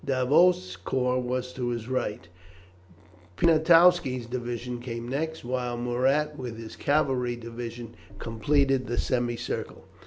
Davoust's corps was to his right, Poniatowski's division came next, while Murat with his cavalry division completed the semicircle.